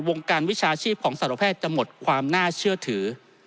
วงการวิชาชีพของสารแพทย์จะหมดความน่าเชื่อถือ